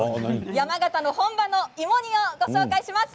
山形の本場の芋煮をご紹介します。